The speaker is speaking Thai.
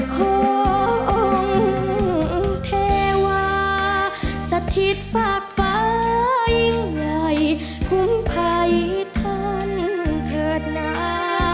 องค์เทวาสถิตฝากฟ้ายิ่งใหญ่คุ้มภัยท่านเถิดหนา